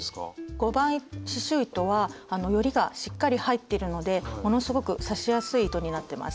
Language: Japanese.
５番刺しゅう糸はよりがしっかり入ってるのでものすごく刺しやすい糸になってます。